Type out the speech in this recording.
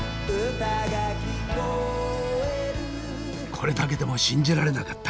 これだけでも信じられなかった。